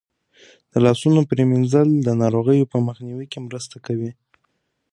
د لاسونو پریمنځل د ناروغیو په مخنیوي کې مرسته کوي.